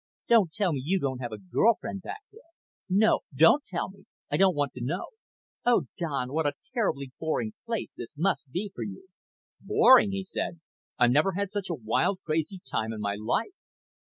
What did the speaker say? Don't tell me you don't have a girl friend back there. No, don't tell me I don't want to know. Oh, Don, what a terribly boring place this must be for you." "Boring!" he said. "I've never had such a wild, crazy time in my life.